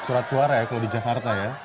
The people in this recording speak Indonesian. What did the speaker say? ya empat surat suara ya kalau di jakarta ya